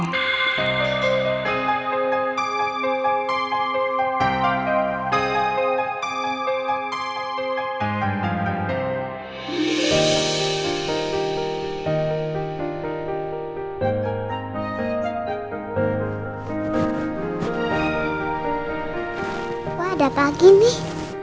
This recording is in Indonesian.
aku ada pagi nih